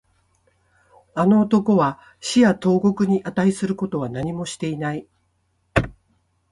あの男は死や投獄に値することは何もしていない